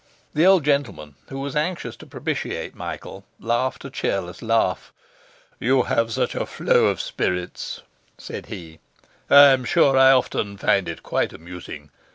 The old gentleman, who was anxious to propitiate Michael, laughed a cheerless laugh. 'You have such a flow of spirits,' said he, 'I am sure I often find it quite amusing.